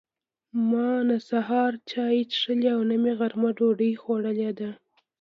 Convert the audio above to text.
ما نه سهار چای څښلي او نه مې غرمه ډوډۍ خوړلې ده.